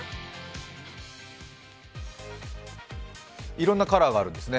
いろんなカラーがあるんですね。